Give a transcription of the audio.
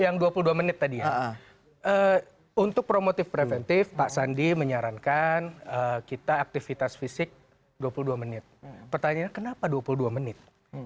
yang dua puluh dua menit tadi ya untuk promotif preventif pak sandi menyarankan kita aktivitas fisik dua puluh dua menit pertanyaannya kenapa dua puluh dua menit